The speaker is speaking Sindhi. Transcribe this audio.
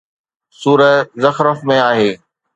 سوره زخرف ۾ آهي